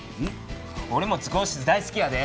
おれも図工室大好きやで。